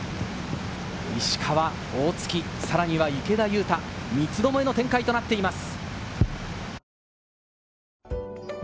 石川、大槻、さらには池田勇太、三つ巴の展開となっています。